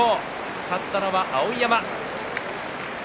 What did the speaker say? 勝ったのは碧山。